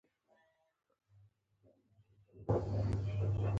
نرسې پوښتنه وکړه: چیرې زخمي شوې؟